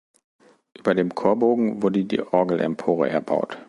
Über dem Chorbogen wurde die Orgelempore erbaut.